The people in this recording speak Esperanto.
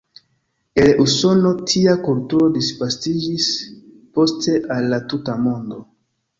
El Usono, tia kulturo disvastiĝis poste al la tuta mondo.